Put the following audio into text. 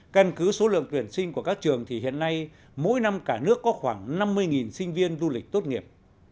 căn cứ số lượng tuyển sinh của các trường thì hiện nay mỗi năm cả nước có khoảng năm mươi sinh viên du lịch tốt nghiệp